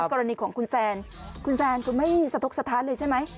กรณีของคุณแซนคุณแซนคุณไม่สะทกสถานเลยใช่ไหม